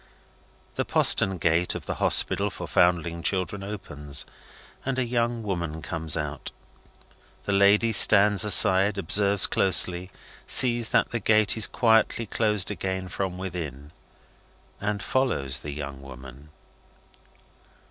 The postern gate of the Hospital for Foundling Children opens, and a young woman comes out. The lady stands aside, observes closely, sees that the gate is quietly closed again from within, and follows the young woman.